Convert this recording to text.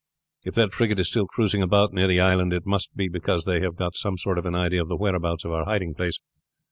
If that frigate is still cruising about near the island it must be because they have got some sort of an idea of the whereabouts of our hiding place.